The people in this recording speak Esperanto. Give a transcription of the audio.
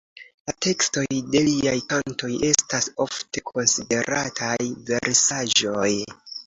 La tekstoj de liaj kantoj estas ofte konsiderataj versaĵoj.